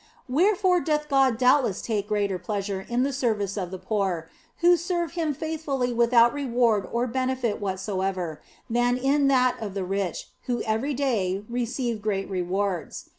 Wherefore doth God doubtless take greater pleasure in the service of the poor, who serve Him faithfully without reward or benefit whatsoever, than in that of the rich, who every day receive great rewards.